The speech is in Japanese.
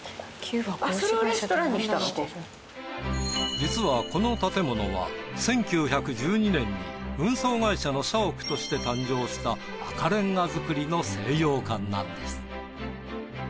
実はこの建物は１９１２年に運送会社の社屋として誕生した赤れんが造りの西洋館なんです。